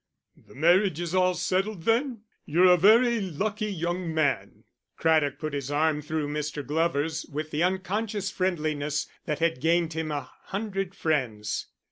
"The marriage is all settled then? You're a very lucky young man." Craddock put his arm through Mr. Glover's with the unconscious friendliness that had gained him an hundred friends.